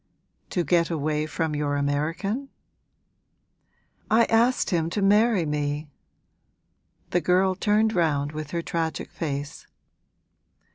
'To get away from your American?' 'I asked him to marry me!' The girl turned round with her tragic face.